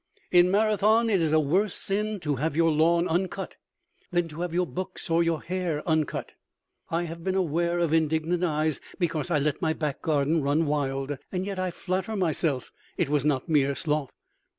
In Marathon it is a worse sin to have your lawn uncut than to have your books or your hair uncut. I have been aware of indignant eyes because I let my back garden run wild. And yet I flatter myself it was not mere sloth.